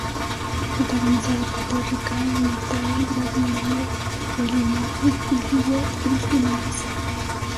Protagonizada por Terry Kinney, Meg Tilly, Gabrielle Anwar, Reilly Murphy, Billy Wirth, Christine Elise.